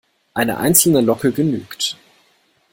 Eine einzelne Locke genügt.